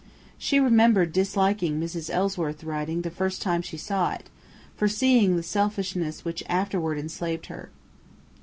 She remembered disliking Mrs. Ellsworth's writing the first time she saw it, foreseeing the selfishness which afterward enslaved her.